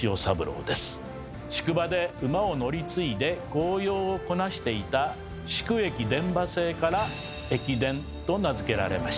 宿場で馬を乗り継いで公用をこなしていた「宿駅伝馬制」から「駅伝」と名付けられました。